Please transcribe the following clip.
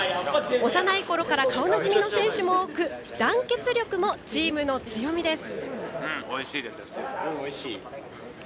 幼いころから顔なじみの選手も多く団結力もチームの強みです。